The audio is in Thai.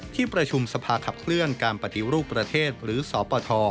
ที่ประชุมสภาขับเคลื่อนการปฏิรูปประเทศหรือสปท